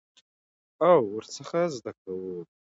او ورڅخه زده کوو.